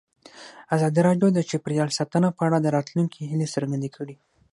ازادي راډیو د چاپیریال ساتنه په اړه د راتلونکي هیلې څرګندې کړې.